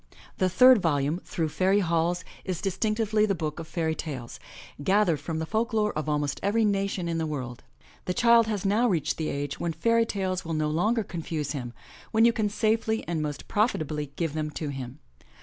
The third volume, Through Fairy HallSy is distinctively the book of fairy tales, gathered from the folk lore of almost every nation in the world. The child has now reached the age when fairy tales will no longer confuse him, when you can safely and most profitably give them to him.